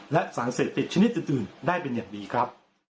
และสารเสพติดชนิดอื่นได้เป็นอย่างดีครับ